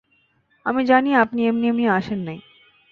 আমি জানি আপনি এমনি এমনি আসেন নাই।